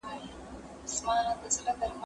زه کتابتون ته تللی دی!؟